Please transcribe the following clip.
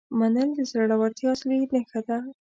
منل د زړورتیا اصلي نښه ده.